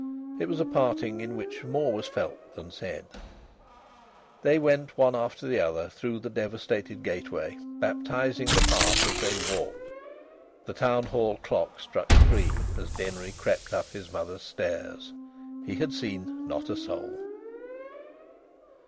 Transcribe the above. It was a parting in which more was felt than said. They went one after the other through the devastated gateway, baptising the path as they walked. The Town Hall clock struck three as Denry crept up his mother's stairs. He had seen not a soul.